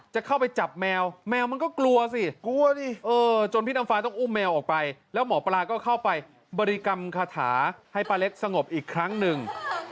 จะเข้าไปจับแมวแมวมันก็กลัวสิกลัวสิจนพี่น้ำฟ้าต้องอุ้มแมวออกไปแล้วหมอปลาก็เข้าไปบริกรรมคาถาให้ป้าเล็กสงบอีกครั้งหนึ่ง